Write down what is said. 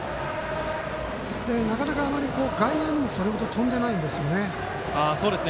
なかなか、あまり外野にもそれほど飛んでないんですよね。